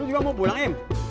lu juga mau pulang im